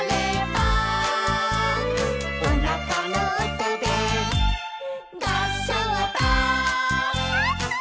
「おなかのおとでがっしょうだ」